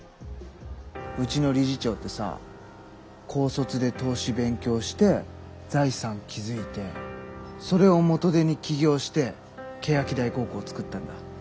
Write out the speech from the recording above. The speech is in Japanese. うちの理事長ってさ高卒で投資勉強して財産築いてそれを元手に起業して欅台高校つくったんだ。